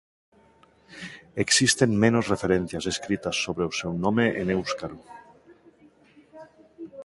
Existen menos referencias escritas sobre o seu nome en éuscaro.